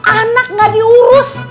anak gak diurus